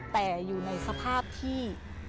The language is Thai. แต่อยู่ในสภาพที่